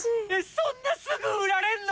そんなすぐ売られんの？